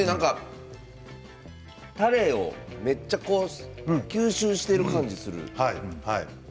たれをめっちゃ吸収している感じがする。